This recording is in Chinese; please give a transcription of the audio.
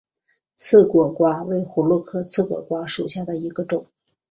刺果瓜为葫芦科刺果瓜属下的一个种。